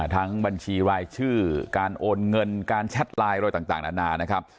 บัญชีรายชื่อการโอนเงินการแชทไลน์อะไรต่างนานานะครับ